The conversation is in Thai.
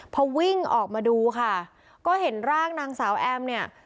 พอวิ่งออกมาดูค่ะก็เห็นร่างนางสาวแอมเนี่ย